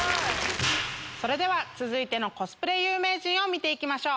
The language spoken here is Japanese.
それでは続いてのコスプレ有名人見て行きましょう。